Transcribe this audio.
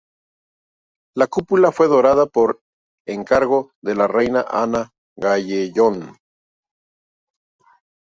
La cúpula fue dorada por encargo de la reina Ana Jagellón.